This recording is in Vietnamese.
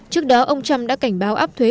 trước đó ông trump đã cảnh báo áp thuế